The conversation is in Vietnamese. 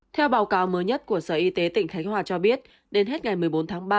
theo báo cáo mới nhất của sở y tế tỉnh khánh hòa cho biết đến hết ngày một mươi bốn tháng ba